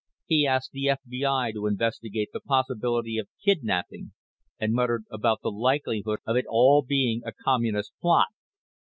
He asked the FBI to investigate the possibility of kidnaping and muttered about the likelihood of it all being a Communist plot.